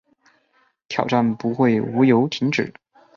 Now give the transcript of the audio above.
挑战不会无由停止